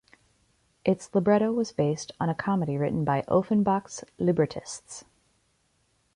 Its libretto was based on a comedy written by Offenbach's librettists.